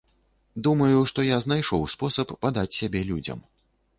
Думаю, што я знайшоў спосаб падаць сябе людзям.